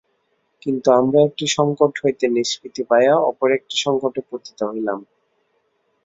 কিন্তু আমরা একটি সঙ্কট হইতে নিষ্কৃতি পাইয়া অপর একটি সঙ্কটে পতিত হইলাম।